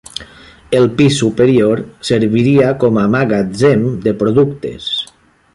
El pis superior serviria com a magatzem de productes.